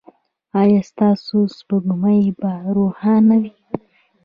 ایا ستاسو سپوږمۍ به روښانه وي؟